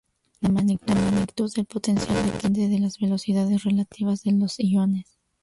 La magnitud del potencial depende de las velocidades relativas de los iones.